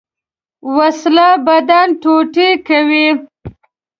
وسله بدن ټوټې کوي